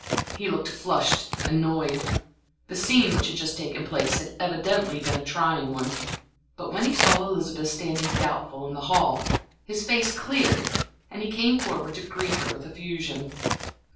He looked flushed, annoyed; the scene which had just taken place had evidently been a trying one. But when he saw Elizabeth standing doubtful in the hall, his face cleared and he came forward to greet her with effusion.